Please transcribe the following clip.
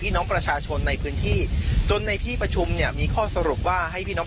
น้องประชาชนในพื้นที่จนในที่ประชุมเนี่ยมีข้อสรุปว่าให้พี่น้อง